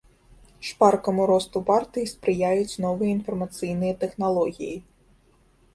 Шпаркаму росту партыі спрыяюць новыя інфармацыйныя тэхналогіі.